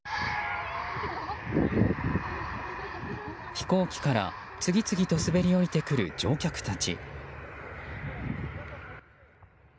飛行機から次々と滑り降りてくる乗客たち。